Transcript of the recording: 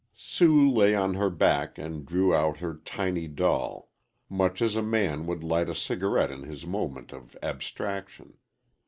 Sue lay on her back and drew out her tiny doll much as a man would light a cigarette in his moment of abstraction.